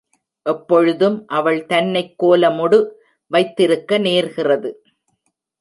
எப்பொழுதும் அவள் தன்னைக் கோலமொடு வைத்திருக்க நேர்கிறது.